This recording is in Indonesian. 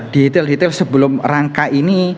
detail detail sebelum rangka ini